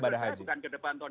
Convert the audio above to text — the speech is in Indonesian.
bahkan bukan ke depan tahun